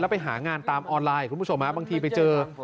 ไปหางานตามออนไลน์คุณผู้ชมบางทีไปเจอ